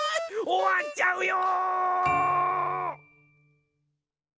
おわっちゃうよ！